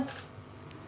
với các người bệnh